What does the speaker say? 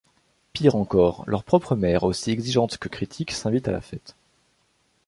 Pire encore, leurs propres mères, aussi exigeantes que critiques, s’invitent à la fête.